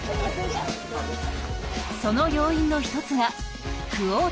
その要因の一つが「クオータ制」。